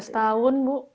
dua belas tahun bu